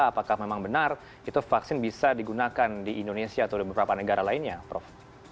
apakah memang benar itu vaksin bisa digunakan di indonesia atau di beberapa negara lainnya prof